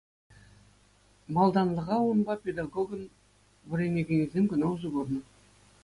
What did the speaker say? Малтанлӑха унпа педагогӑн вӗренекенӗсем кӑна усӑ курнӑ.